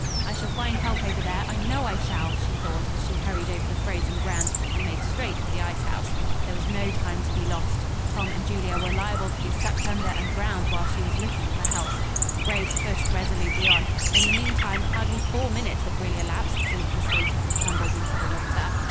"I shall find help over there, I know I shall," she thought as she hurried over the frozen ground and made straight for the ice house. There was no time to be lost. Tom and Julia were liable to be sucked under and drowned while she was looking for help. Grace pushed resolutely on. In the meantime hardly four minutes had really elapsed since the skaters had tumbled into the water.